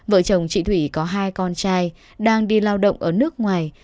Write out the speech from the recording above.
vợ chồng chị thủy có hai con trai đang đi lao động ở nước ngoài